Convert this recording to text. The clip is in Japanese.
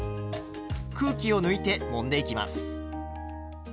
空気を抜いてもんでいきます。